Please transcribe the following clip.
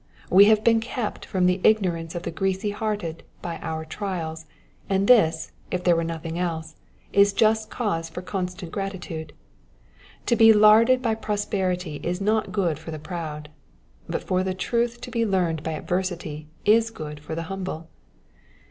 We have been kept from the ignorance of the greasy hearted by our trials, and this, if there were nothing else, is just cause for constant gratitude. To be larded by prosperity is not good for the proud ; but for the truth to be learned by adversity is good for the humble.